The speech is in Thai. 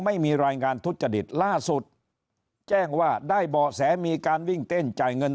ไม่มีรายงานทุจริตล่าสุดแจ้งว่าได้เบาะแสมีการวิ่งเต้นจ่ายเงิน